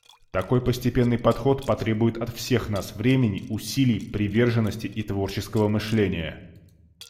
Такой постепенный подход потребует от всех нас времени, усилий, приверженности и творческого мышления.